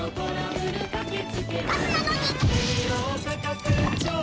ガスなのに！